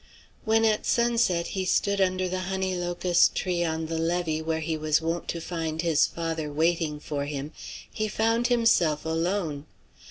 When at sunset he stood under the honey locust tree on the levee where he was wont to find his father waiting for him, he found himself alone.